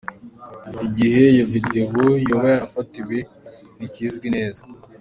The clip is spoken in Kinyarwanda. Igihe iyo video yoba yarafatiwe ntikizwi neza.